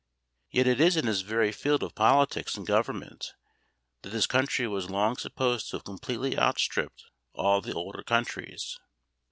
Yet it is in this very field of politics and government that this country was long supposed to have completely outstripped all the older countries.